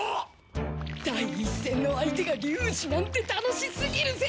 第１戦の相手が龍二なんて楽しすぎるぜ！